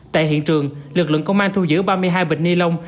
tại hiện trường lực lượng công an thu giữ ba mươi hai bịch ni lông